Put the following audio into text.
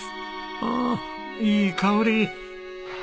ああいい香り。